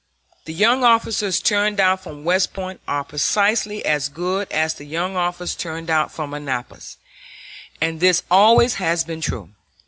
The young officers turned out from West Point are precisely as good as the young officers turned out from Annapolis, and this always has been true.